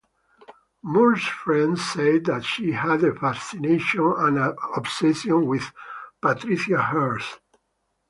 Moore's friends said that she had a fascination and an obsession with Patricia Hearst.